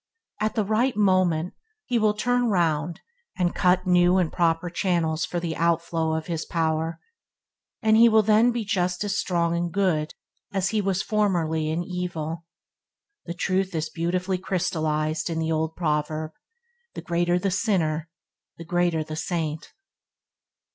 At the right moment, when his mental eyes open to better purposes, he will turn round and cut new and proper channels for the outflow of his power, and will then be just as strong in good as he formerly was in evil. This truth is beautifully crystallized in the old proverb, "The greater the sinner, the great the saint".